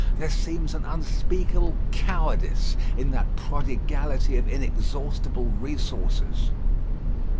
There seems an unspeakable cowardice in that prodigality of inexhaustible resources.